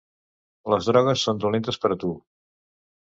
Les drogues són dolentes per a tu.